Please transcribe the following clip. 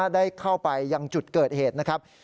ได้เข้าไปยังจุดเกิดเหตุนะครับ